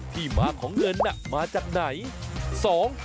ที่มาของเงินมาจากไหน